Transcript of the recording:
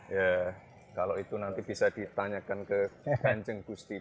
ya kalau itu nanti bisa ditanyakan ke kanjeng gusti